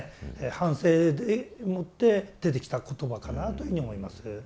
反省でもって出てきた言葉かなというふうに思います。